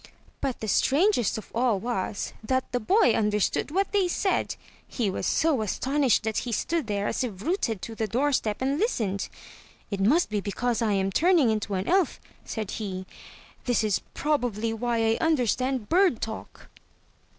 But the strangest of all was, that the boy understood what they said. He was so astonished that he stood there as if rooted to the doorstep and listened. " It must be because I am turning into an elf," said he. "This is probably why I understand bird talk."